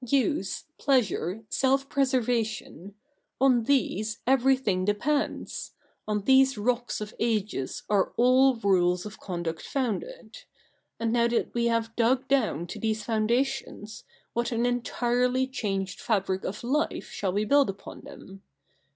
Use, pleasure, self preserva tion — on these everything depends ; on these rocks of ages are all rules of conduct founded : and now that we have dug down to these foundations, what an entirely changed fabric of life shall we build upon them.